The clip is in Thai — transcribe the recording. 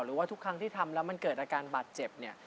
หรือว่าทุกครั้งที่ทำแล้วมันเกิดอาการบาดเจ็บเนี่ย